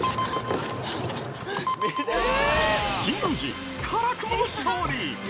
神宮寺、辛くも勝利。